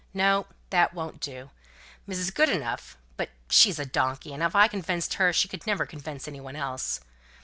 No, that won't do. Mrs. Goodenough but she's a donkey; and if I convinced her, she could never convince any one else.